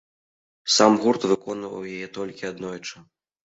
Сам гурт выконваў яе толькі аднойчы.